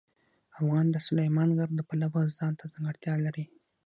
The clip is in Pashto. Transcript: افغانستان د سلیمان غر د پلوه ځانته ځانګړتیا لري.